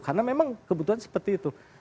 karena memang kebutuhan seperti itu